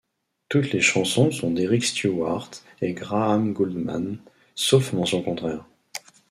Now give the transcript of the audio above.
Toutes les chansons sont d'Eric Stewart et Graham Gouldman, sauf mention contraire.